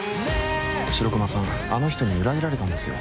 白熊さん、あの人に裏切られたんですよ。